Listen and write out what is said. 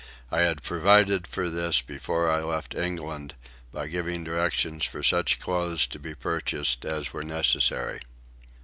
I had provided for this before I left England by giving directions for such clothes to be purchased as were necessary.